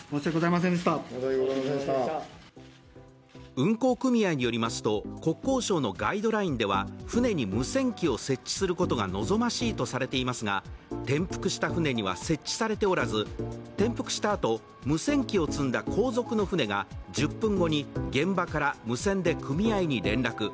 運航組合によりますと、国交省のガイドラインでは舟に無線機を設置することが望ましいとされていますが転覆した舟には設置されておらず、転覆した後、無線機を積んだ後続の舟が１０分後に現場から無線で組合に連絡。